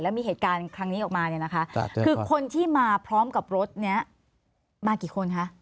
มีเหตุการณ์ครั้งนี้ออกมาเนี่ยนะคะคือคนที่มาพร้อมกับรถนี้มากี่คนคะ